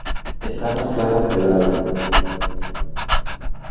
Está más claro que el agua